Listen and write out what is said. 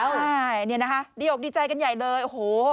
ใช่เนี่ยนะคะดีอกดีใจกันใหญ่เลยโอ้โห